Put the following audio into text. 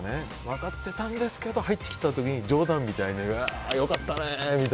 分かってたんですけど入ってきた時に冗談みたいによかったね！